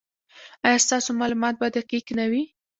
ایا ستاسو معلومات به دقیق نه وي؟